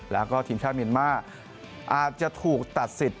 แล้วก็ทีมชาติเมียนมาร์อาจจะถูกตัดสิทธิ